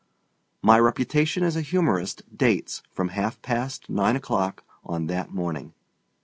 My reputation as a humorist dates from half past nine o'clock on that morning.